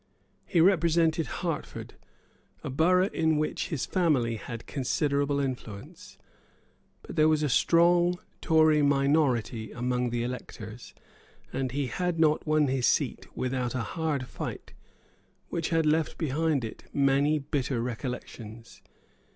He represented Hertford, a borough in which his family had considerable influence; but there was a strong Tory minority among the electors, and he had not won his seat without a hard fight, which had left behind it many bitter recollections.